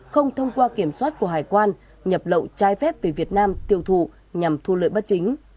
không thông qua kiểm soát của hải quan nhập lậu trái phép về việt nam tiêu thụ nhằm thu lợi bất chính